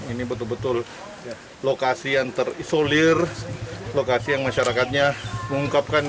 ini betul betul lokasi yang terisolir lokasi yang masyarakatnya mengungkapkan